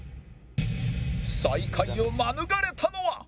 最下位を免れたのは